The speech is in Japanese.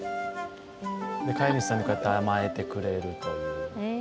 飼い主さんにこうやって甘えてくれるという。